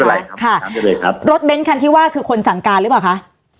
ไม่เป็นไรครับค่ะครับรถเบนคันคิดว่าคือคนสั่งการหรือเปล่าคะ